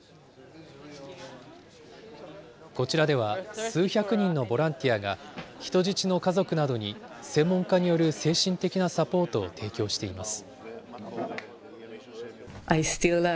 こちらでは数百人のボランティアが、人質の家族などに専門家による精神的なサポートを提供しています。